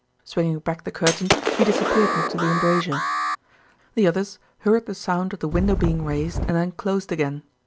Swinging back the curtain he disappeared into the embrasure. The others heard the sound of the window being raised and then closed again.